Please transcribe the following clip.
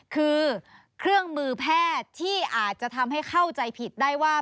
คือเครื่องมือแพทย์ที่อาจจะทำให้เข้าใจผิดได้ว่า